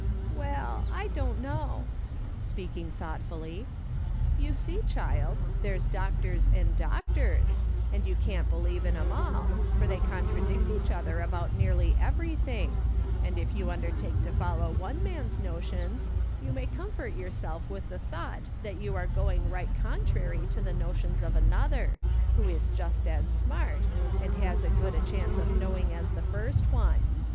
"Well, I don't know," speaking thoughtfully, " You see, child, there's doctors and doctors, and you ''THERE WASN'T ANY THhVG ELSE TO Dor 299 can't believe in 'em all, for they contradict each other about every earthly thing, and if you undertake to follow one man's notions, you may comfort your self with the thought that you are going riglit con trary to the notions of another, who is just as smart, and has as good a chance of knowing as the first one.